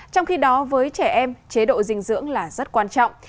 trong khi đó với trẻ em chế độ dinh dưỡng là rất quan trọng